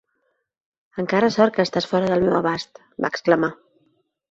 "Encara sort que estàs fora del meu abast" -va exclamar.